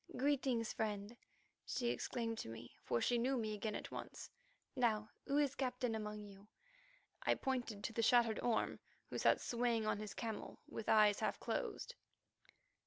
"Greetings, friend," she exclaimed to me, for she knew me again at once. "Now, who is captain among you?" I pointed to the shattered Orme, who sat swaying on his camel with eyes half closed.